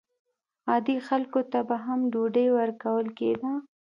عادي خلکو ته به هم ډوډۍ ورکول کېده.